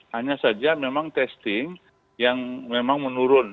hanya saja memang testing yang memang menurun